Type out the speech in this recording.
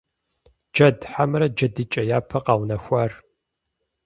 Джэд хьэмэрэ джэдыкӀэ япэ къэунэхуар?